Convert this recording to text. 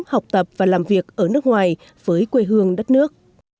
học tập và làm việc ở nước ngoài với quê hương đất nước